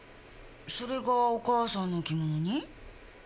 それがお母さんの着物に？